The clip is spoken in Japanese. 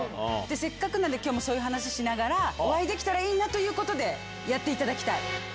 でせっかくなんで今日そういう話しながらお会いできたらいいなってことでやっていただきたい。